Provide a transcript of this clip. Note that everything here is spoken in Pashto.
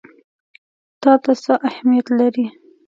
تا ته څه اهمیت لري؟